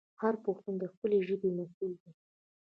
هر پښتون د خپلې ژبې مسوول دی.